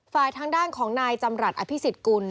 ฝ่ายทางด้านของนายจำรัฐอภิสิทธิ์กุล